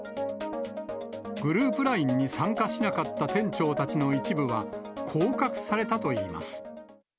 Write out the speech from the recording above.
グループＬＩＮＥに参加しなかった店長たちの一部は、降格されたと言います。